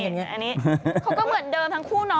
เขาก็เหมือนเดิมทั้งคู่เนอะ